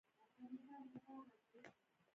آئيدې چا سره اوسيږ؛ ترينو ګړدود